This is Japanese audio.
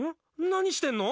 何してんの？